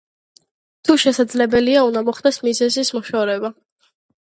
თუ შესაძლებელია, უნდა მოხდეს მიზეზის მოშორება.